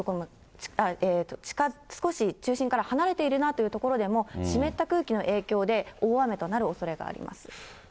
少し中心から離れているなという所でも、湿った空気の影響で大雨となるおそれがあります。